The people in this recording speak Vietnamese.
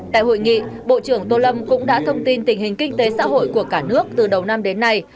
tại hội nghị bộ trưởng tô lâm cũng đã thông tin tình hình kinh tế xã hội của cả nước từ đầu năm đến nay